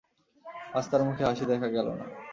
আজ তার মুখে হাসি দেখা গেল না।